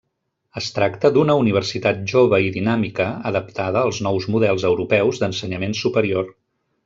Es tracta d'una universitat jove i dinàmica, adaptada als nous models europeus d'ensenyament superior.